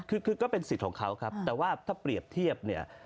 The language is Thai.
คือก็เป็นสิทธิ์ของเขาครับแต่ว่าถ้าเปรียบเทียบเนี่ย